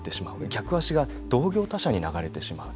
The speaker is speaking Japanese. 客足が同業他社に流れてしまう。